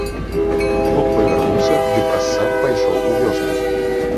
Слуп павярнуўся ды праз сад пайшоў у вёску.